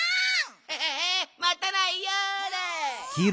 ヘヘヘまたないよだ！